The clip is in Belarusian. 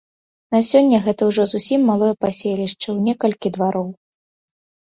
На сёння гэта ўжо зусім малое паселішча ў некалькі двароў.